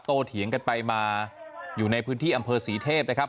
เถียงกันไปมาอยู่ในพื้นที่อำเภอศรีเทพนะครับ